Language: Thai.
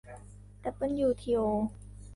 ดับเบิลยูทีโอ